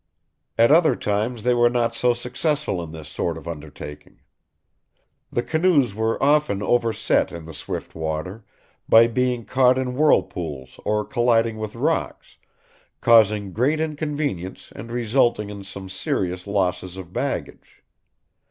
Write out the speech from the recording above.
At other times they were not so successful in this sort of undertaking. The canoes were often overset in the swift water, by being caught in whirlpools or colliding with rocks, causing great inconvenience and resulting in some serious losses of baggage.